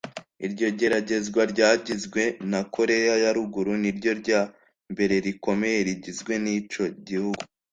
Iryo geragezwa ryagizwe na Korea ya ruguru ni ryo rya mbere rikomeye rigizwe n’ico gihugu